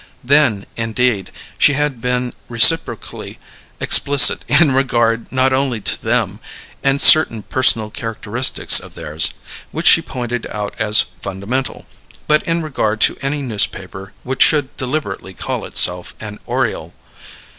Then, indeed, she had been reciprocally explicit in regard not only to them and certain personal characteristics of theirs, which she pointed out as fundamental, but in regard to any newspaper which should deliberately call itself an "Oriole."